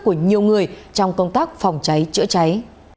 của nhiều người trong công tác phòng cháy chữa cháy